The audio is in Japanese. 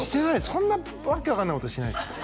そんな訳分かんないことしてないですね